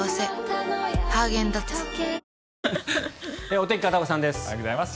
お天気、片岡さんです。